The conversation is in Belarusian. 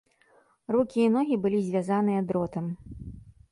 Рукі і ногі былі звязаныя дротам.